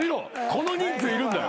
この人数いるんだよ。